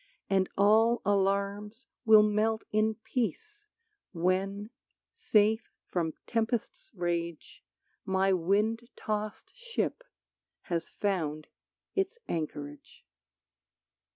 And all alarms Will melt in peace when, safe from tempest's rage My wind tossed ship has found its anchorage.